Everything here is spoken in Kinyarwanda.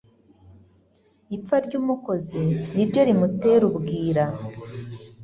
Ipfa ry’umukozi ni ryo rimutera ubwira